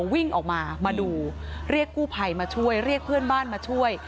วิ่งออกมามาดูเรียกกู้ภัยมาช่วยเรียกเพื่อนบ้านมาช่วย